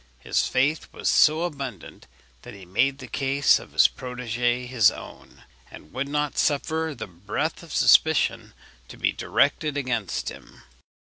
His faith was so abundant that he made the case of his protégé his own, and would not suffer the breath of suspicion to be directed against him.